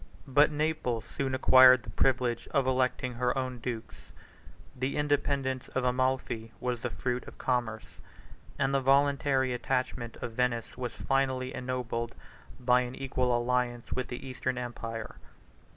But Naples soon acquired the privilege of electing her own dukes: 36 the independence of Amalphi was the fruit of commerce; and the voluntary attachment of Venice was finally ennobled by an equal alliance with the Eastern empire.